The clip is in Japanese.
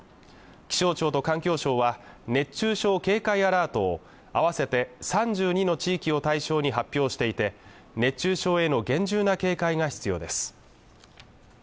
気象庁と環境省は熱中症警戒アラートを合わせて３２の地域を対象に発表していて熱中症への厳重な警戒が必要です